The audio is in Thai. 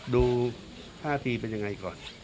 ดูท่าทีเป็นยังไงก่อน